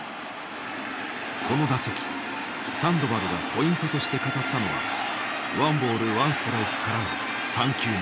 この打席サンドバルがポイントとして語ったのはワンボールワンストライクからの３球目。